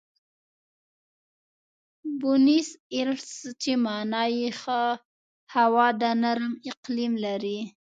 بونیس ایرس چې مانا یې ښه هوا ده، نرم اقلیم لري.